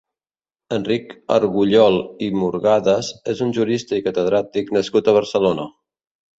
Enric Argullol i Murgadas és un jurista i catedràtic nascut a Barcelona.